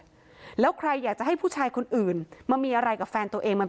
เพื่อนในหัดใหญ่ที่คบกันมาเนี่ยยันว่าผมจะไปเรียกชาย๑๔คนได้ยังไง